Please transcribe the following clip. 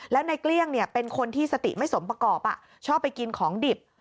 แล้วในเกลี้ยงเป็นคนที่สติไม่สมประกอบชอบไปกินของดิบ